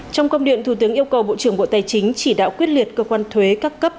trong công điện thủ tướng yêu cầu bộ trưởng bộ tài chính chỉ đạo quyết liệt cơ quan thuế các cấp